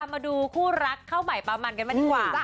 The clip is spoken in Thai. มาดูคู่รักเข้าหมายประมาณกันมาดีกว่า